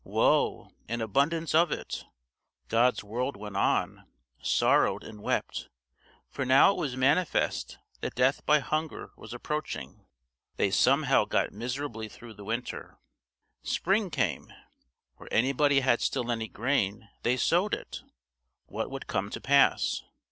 Woe! and abundance of it! God's world went on, sorrowed and wept, for now it was manifest that death by hunger was approaching. They somehow got miserably through the winter. Spring came. Where anybody had still any grain, they sowed it. What would come to pass?